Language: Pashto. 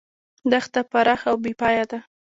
دښته پراخه او بې پایه ده.